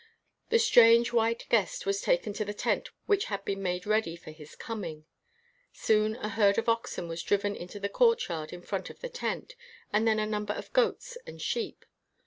The strange white guest was taken to the tent which had been made ready for his coming. Soon a herd of oxen was driven into the courtyard in front of the tent, and then a number of goats and sheep.